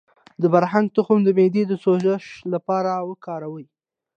د بارهنګ تخم د معدې د سوزش لپاره وکاروئ